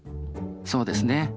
そうですね。